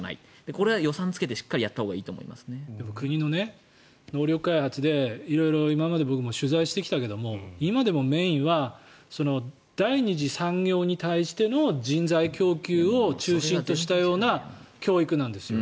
これは予算をつけてしっかりやったほうがいいと国の能力開発で色々今まで僕も取材してきたけど今でもメインは第２次産業に対しての人材供給を中心としたような教育なんですよ。